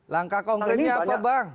langkah konkretnya apa bang